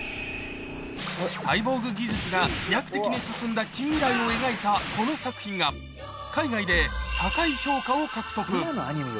サイボーグ技術が飛躍的に進んだ近未来を描いたこの作品が、海外で高い評価を獲得。